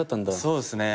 そうっすね。